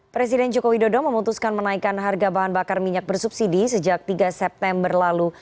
presiden joko widodo memutuskan menaikkan harga bahan bakar minyak bersubsidi sejak tiga september lalu